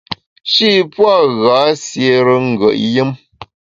Shî pua’ gha siére ngùet yùm.